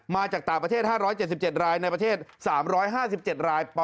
มาจากต่างประเทศห้าร้อยเจ็ดสิบเจ็ดรายในประเทศสามร้อยห้าสิบเจ็ดราย